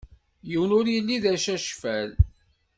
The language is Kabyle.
Yiwen ur yelli d acacfal.